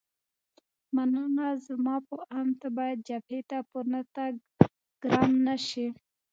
مننه، زما په اند ته باید جبهې ته په نه تګ ګرم نه شې.